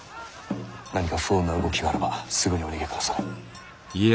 何か不穏な動きがあらばすぐにお逃げくだされ。